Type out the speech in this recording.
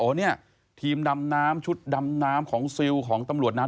เนี่ยทีมดำน้ำชุดดำน้ำของซิลของตำรวจน้ำ